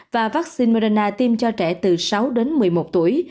và vaccine corona tiêm cho trẻ từ sáu đến một mươi một tuổi